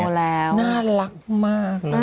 แล้วน่ารักมาก